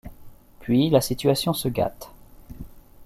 Puis, la situation se gâte.